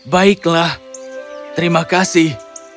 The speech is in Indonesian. baiklah terima kasih